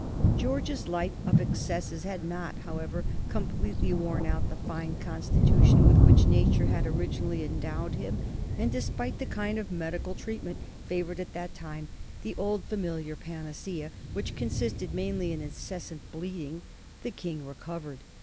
George's life of excesses had not, however, completely worn out the fine constitution with which nature had originally endowed him, and despite the kind of medical treatment favored at that time, the old familiar panacea, which consisted mainly in incessant bleeding, the King recovered.